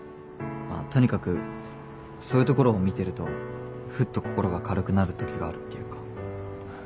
まあとにかくそういうところを見てるとふっと心が軽くなる時があるっていうか。